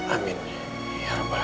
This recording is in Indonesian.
amin ya allah